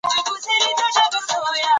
تجربې په علم کې د تاييد وسيله دي.